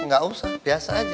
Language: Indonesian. gak usah biasa aja